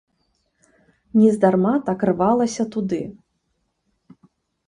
Нездарма так рвалася туды.